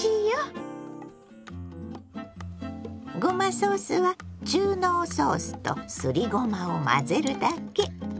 ごまソースは中濃ソースとすりごまを混ぜるだけ。